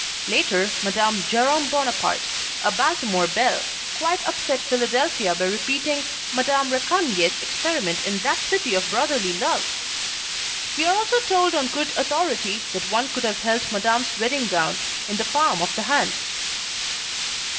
Later Mme. Jerome Bonaparte, a Baltimore belle, quite upset Philadelphia by repeating Mme. Récamier's experiment in that city of brotherly love! We are also told on good authority that one could have held Madame's wedding gown in the palm of the hand.